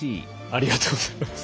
ありがとうございます。